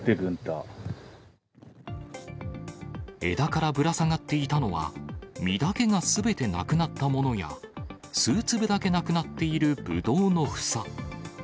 枝からぶら下がっていたのは、実だけがすべてなくなったものや、数粒だけなくなっているぶどうの房。